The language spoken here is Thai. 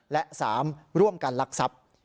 และ๓ร่วมกันลักทรัพย์